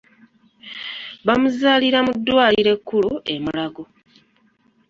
Bamuzalira mu ddwaliro ekkulu e Mulago .